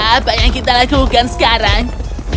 apa yang kita lakukan sekarang